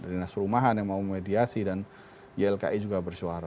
dinas perumahan yang mau memediasi dan ylki juga bersuara